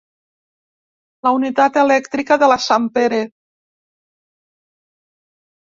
La unitat elèctrica de la Sampere.